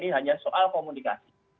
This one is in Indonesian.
ini hanya soal komunikasi